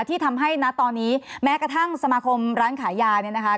ที่ทำให้นะตอนนี้แม้กระทั่งสมาคมร้านขายยาเนี่ยนะคะ